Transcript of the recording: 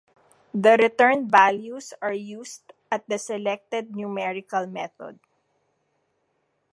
The returned values are used at the selected numerical method.